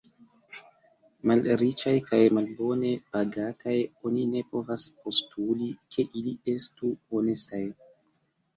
Malriĉaj kaj malbone pagataj, oni ne povas postuli, ke ili estu honestaj.